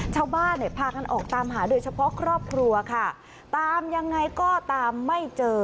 ชาวบ้านเนี่ยพากันออกตามหาโดยเฉพาะครอบครัวค่ะตามยังไงก็ตามไม่เจอ